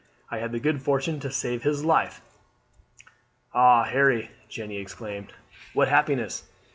I had the good fortune to save his life." "Oh, Harry," Jeanne exclaimed, "what happiness!